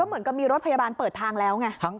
เหมือนกับมีรถพยาบาลเปิดทางแล้วไง